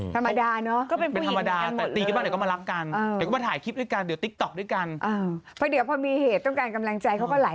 ธรรมดาเนอะเป็นผู้หญิงเหมือนกันหมดเลยถูกเป็นธรรมดา